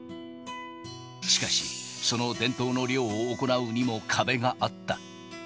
しかし、その伝統の猟を行うにも壁があった。